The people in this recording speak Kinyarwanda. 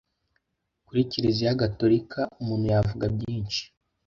kuri kiliziya gatolika umuntu yavuga byinshi